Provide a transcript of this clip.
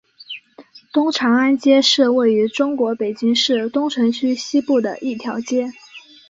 东长安街是位于中国北京市东城区西部的一条街。